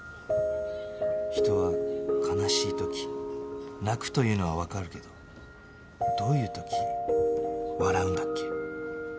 人は悲しい時泣くというのはわかるけどどういう時笑うんだっけ？